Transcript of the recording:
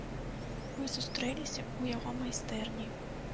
Мы сустрэліся ў яго майстэрні.